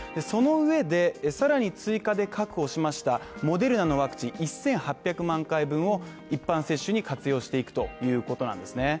その上でさらに追加で確保しましたモデルナのワクチン１８００万回分を一般接種に活用していくということなんですね